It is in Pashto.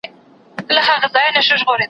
تا چي ول باغ به بالا شین وي باره وچ و